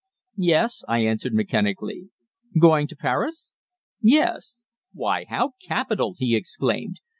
"Yes," I answered mechanically. "Going to Paris?" "Yes." "Why, how capital!" he exclaimed.